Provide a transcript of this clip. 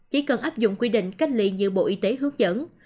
chỉ cần áp dụng quy định cách ly như bộ y tế hướng dẫn